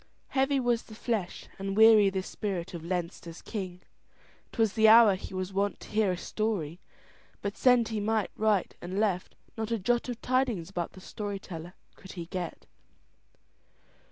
Heavy was the flesh and weary the spirit of Leinster's king. 'Twas the hour he was wont to hear a story, but send he might right and left, not a jot of tidings about the story teller could he get.